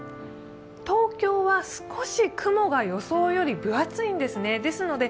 東京は少し雲が予想より分厚いんですね。